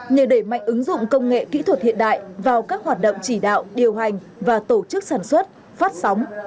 nhờ đẩy mạnh ứng dụng công nghệ kỹ thuật hiện đại vào các hoạt động chỉ đạo điều hành và tổ chức sản xuất phát sóng